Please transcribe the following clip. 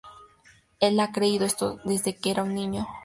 Él ha creído esto desde que era un niño.